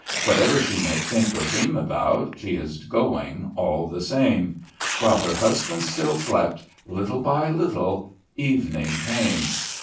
Whatever she may think or dream about, she is going all the same. While her husband still slept, little by little, evening came....